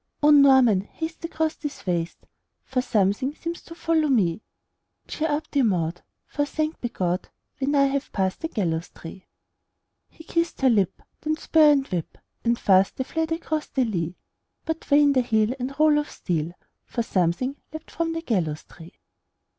"O Norman, haste across this waste For something seems to follow me!" "Cheer up, dear Maud, for, thanked be God, We nigh have passed the gallows tree!" He kissed her lip; then spur and whip! And fast they fled across the lea! But vain the heel and rowel steel, For something leaped from the gallows tree!